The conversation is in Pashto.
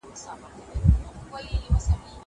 زه به اوږده موده مېوې وچولي وم.